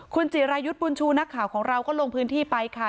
คุณจิรายุทธ์บุญชูนักข่าวของเราก็ลงพื้นที่ไปค่ะ